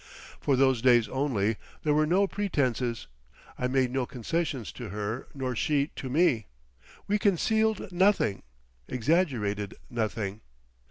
For those days only, there were no pretences, I made no concessions to her nor she to me; we concealed nothing, exaggerated nothing.